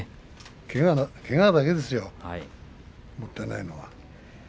けがだけですよねもったいないのは。